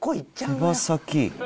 手羽先。